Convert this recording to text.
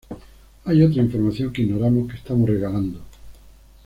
hay otra información que ignoramos que estamos regalando